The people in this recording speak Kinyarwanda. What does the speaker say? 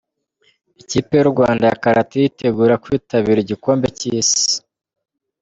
Ikipe y’u Rwanda ya Karate iritegura kwitabira igikombe cy’Isi